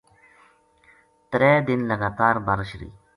تَرے دن لگاتار بارش رہی۔